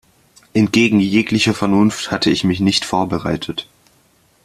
Entgegen jeglicher Vernunft, hatte ich mich nicht vorbereitet.